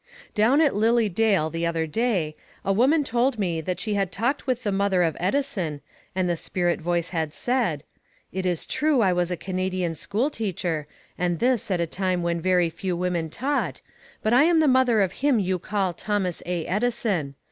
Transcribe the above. Down at Lilly Dale the other day, a woman told me that she had talked with the mother of Edison, and the spirit voice had said: "It is true I was a Canadian schoolteacher, and this at a time when very few women taught, but I am the mother of him you call Thomas A. Edison.